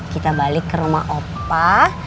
kita balik ke rumah opa